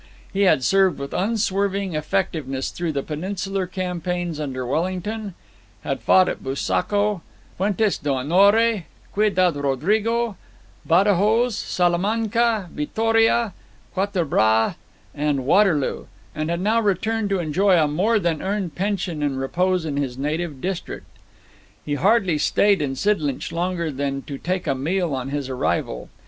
He had served with unswerving effectiveness through the Peninsular campaigns under Wellington; had fought at Busaco, Fuentes d'Onore, Ciudad Rodrigo, Badajoz, Salamanca, Vittoria, Quatre Bras, and Waterloo; and had now returned to enjoy a more than earned pension and repose in his native district. He hardly stayed in Sidlinch longer than to take a meal on his arrival.